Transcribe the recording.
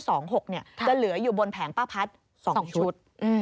จะเหลืออยู่บนแผงป้าพัด๒ชุด